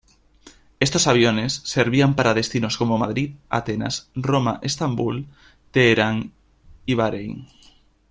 Estos aviones servían para destinos como Madrid, Atenas, Roma, Estambul, Teherán y Bahrein.